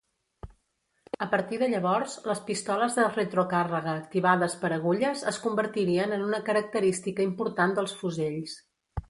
A partir de llavors, les pistoles de retrocàrrega activades per agulles es convertirien en una característica important dels fusells.